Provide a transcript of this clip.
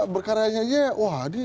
berkaryanya aja wah